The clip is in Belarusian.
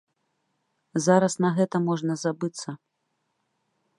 Зараз на гэта можна забыцца.